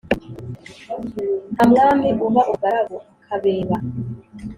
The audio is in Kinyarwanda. Nta mwami uba umugaragu (akabeba).